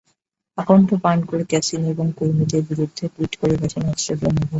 আকণ্ঠ পান করে ক্যাসিনো এবং কর্মীদের বিরুদ্ধে টুইট করে বসেন অস্ট্রেলিয়ান অধিনায়ক।